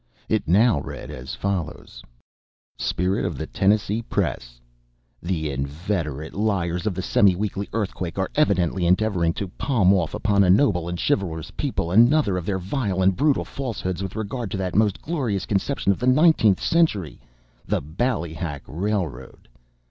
It now read as follows: SPIRIT OF THE TENNESSEE PRESS The inveterate liars of the Semi Weekly Earthquake are evidently endeavoring to palm off upon a noble and chivalrous people another of their vile and brutal falsehoods with regard to that most glorious conception of the nineteenth century, the Ballyhack railroad.